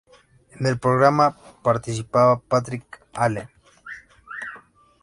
En el programa participaba Patrick Allen.